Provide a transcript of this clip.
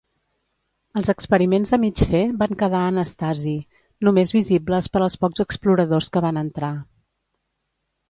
Els experiments a mig fer van quedar en estasi, només visibles per als pocs exploradors que van entrar.